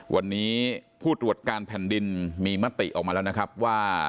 วันนี้ผู้ตรวจการแผ่นดินมีมติออกมาแล้วนะครับว่า